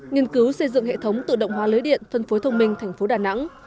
nghiên cứu xây dựng hệ thống tự động hóa lưới điện phân phối thông minh thành phố đà nẵng